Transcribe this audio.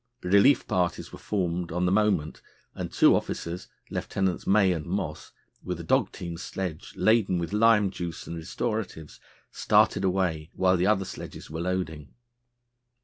Relief parties were formed on the moment, and two officers, Lieutenants May and Moss, with a dog team sledge laden with lime juice and restoratives, started away while the other sledges were loading.